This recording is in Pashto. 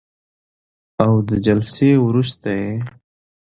او د جلسې وروسته یې